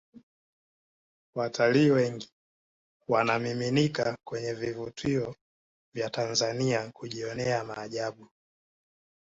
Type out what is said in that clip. watalii wengi wanamiminika kwenye vivutio vya tanzania kujionea maajabu